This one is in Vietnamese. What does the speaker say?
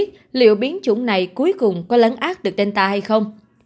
chúng tôi chưa biết liệu biến chủng này cuối cùng có lấn át được tên ta hay không